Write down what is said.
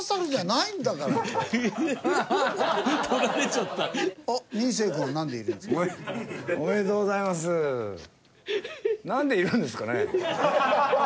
なんでいるんですかね？